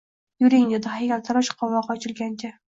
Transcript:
Yuring, – dedi haykaltarosh qovogʻi osilgancha.